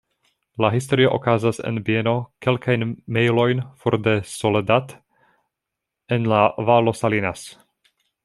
La historio okazas en bieno kelkajn mejlojn for de Soledad en la Valo Salinas.